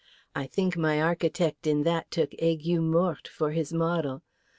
I think my architect in that took Aigues Mortes for his model.